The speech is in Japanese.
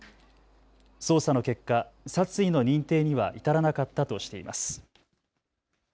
捜査の結果、殺意の認定には至らなかったとしています。